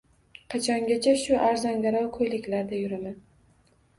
Qachongacha shu arzongarov ko`ylaklarda yuraman